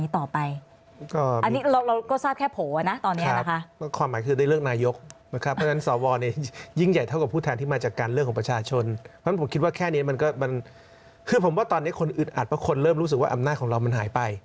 แต่ว่าตอนนี้คนอึดอัดเพราะคนเริ่มรู้สึกว่าอำนาจของเรามันหายไป